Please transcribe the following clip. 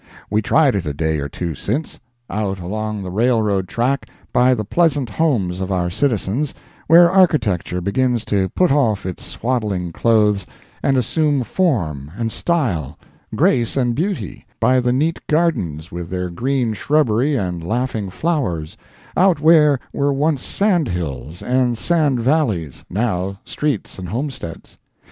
We tried it a day or two since. Out along the railroad track, by the pleasant homes of our citizens, where architecture begins to put off its swaddling clothes, and assume form and style, grace and beauty, by the neat gardens with their green shrubbery and laughing flowers, out where were once sand hills and sand valleys, now streets and homesteads.